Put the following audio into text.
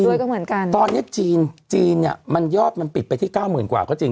และก็มีตั้งหวังด้วยก็เหมือนกันจีนมันยอบมันปิดไปที่๙๐๐๐๐กว่าก็จริง